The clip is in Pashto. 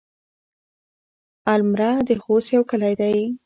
المره د خوست يو کلی دی.